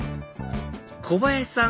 小林さん